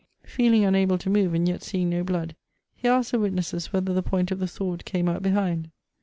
Feeling unable to move, and yet seeing no blood, he asked the witnesses whether the point of the sword came out behind.